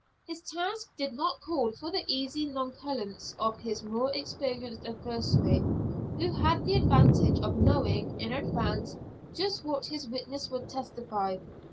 His task did not call for the easy nonchalance of his more experienced adversary, who had the advantage of knowing in advance just what his witness would testify.